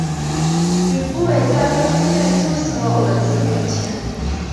吕不韦在封地内铸行了文信圜钱。